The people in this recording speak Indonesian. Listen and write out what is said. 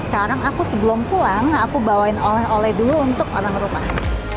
sekarang aku sebelum pulang aku bawain oleh oleh dulu untuk orang rumah